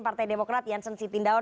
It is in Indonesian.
partai demokrat yansen sitindaun